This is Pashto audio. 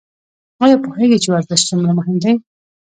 ایا پوهیږئ چې ورزش څومره مهم دی؟